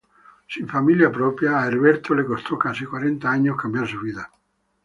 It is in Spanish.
Sin familia propia, a Herbert le costó casi cuarenta años cambiar su vida.